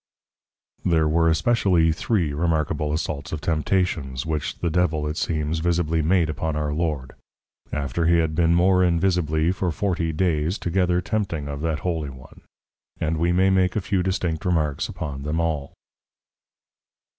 There were especially Three Remarkable Assaults of Temptations, which the Devil it seems, visibly made upon our Lord; after he had been more invisibly for Forty dayes together Tempting of that Holy One; and we may make a few distinct Remarks upon them all.